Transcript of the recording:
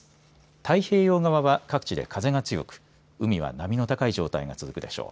太平洋側は各地で風が強く海は波の高い状態が続くでしょう。